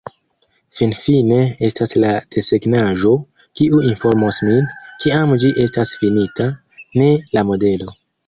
Finfine estas la desegnaĵo, kiu informos min, kiam ĝi estas finita, ne la modelo.